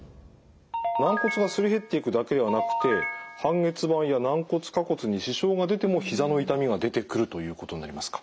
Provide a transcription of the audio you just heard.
軟骨がすり減っていくだけではなくて半月板や軟骨下骨に支障が出てもひざの痛みが出てくるということになりますか？